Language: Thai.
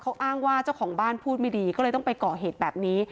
เขาอ้างว่าเจ้าของบ้านพูดไม่ดีก็เลยต้องไปก่อเหตุแบบนี้